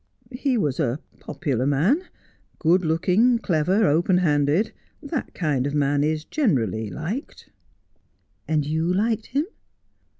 ' He was a popular man, good looking, clever, open handed. That kind of man is generally liked.' ' And you liked him